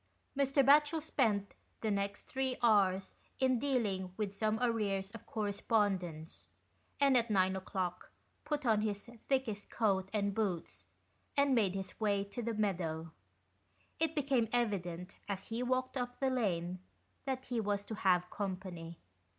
Mr. Batchel spent the next three hours in dealing with some arrears of correspondence, and at nine o'clock put on his thickest coat and boots, and made his way to the meadow. It became evident, as he walked up the lane, that he was to have company.